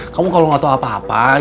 kamu kalau gak tau apa apaan